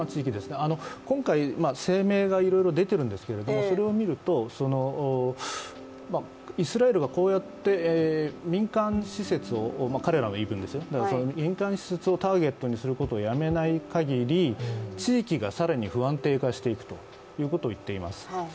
今回、声明がいろいろ出てるんですけどそれを見るとイスラエルがこうやって民間施設を彼らの言い分ですよ、民間施設をターゲットにすることをやめないかぎり地域が更に不安定化していくということを言っています。